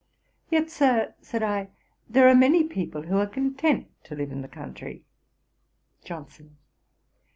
'Yet, Sir, (said I,) there are many people who are content to live in the country.' JOHNSON.